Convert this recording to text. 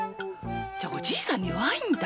じゃお爺さんに弱いんだ。